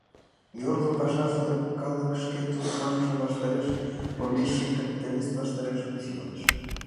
Йорло, пашазе калык шке тушманже ваштареш, помещик, капиталист ваштареш, кучедалеш.